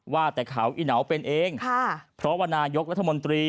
ว่าแต่เขาอีเหนาเป็นเองค่ะเพราะว่านายกรัฐมนตรี